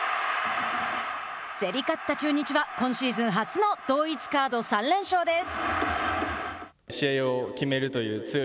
競り勝った中日は今シーズン初の同一カード３連勝です。